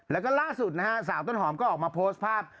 แล้วก็ล่าสุดนะฮะสาวต้นหอมก็ออกมาโพสต์ภาพ